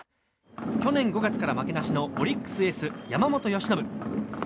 去年５月から負けなしのオリックスエース、山本由伸。